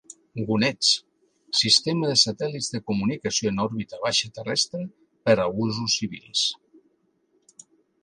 Gonets: sistema de satèl·lits de comunicació en òrbita baixa terrestre per a usos civils.